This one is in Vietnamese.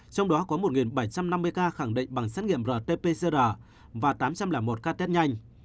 trong đó có một bảy trăm năm mươi ca khẳng định bằng xét nghiệm rt pcr và tám trăm linh một ca test nhanh